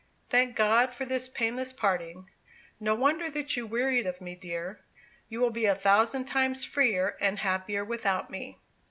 Thank God for this painless parting! No wonder that you wearied of me, dear; you will be a thousand times freer and happier without me."